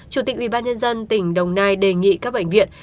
chủ tịch ubnd tỉnh đồng nai đề nghị các bệnh viện